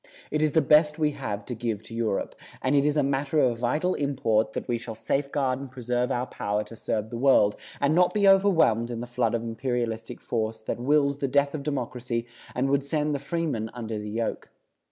It is the best we have to give to Europe, and it is a matter of vital import that we shall safeguard and preserve our power to serve the world, and not be overwhelmed in the flood of imperialistic force that wills the death of democracy and would send the freeman under the yoke.